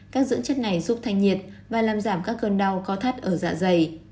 các dưỡng chất này giúp thanh nhiệt và làm giảm các cơn đau có thắt ở dạ dày